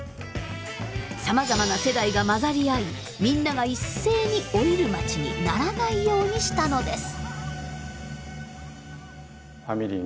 さまざまな世代が混ざり合いみんなが一斉に老いる町にならないようにしたのです。